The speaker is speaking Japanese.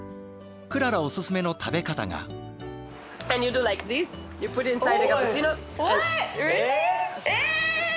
クララおすすめの食べ方が。え！